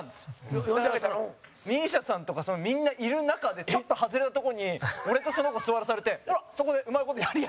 そしたら、ＭＩＳＩＡさんとかみんないる中でちょっと外れたとこに俺とその子、座らされて「ほら、そこでうまい事やりや」。